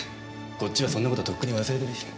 こっちはそんな事とっくに忘れてるし。